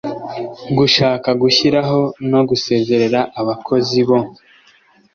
gushaka gushyiraho no gusezerera abakozi bo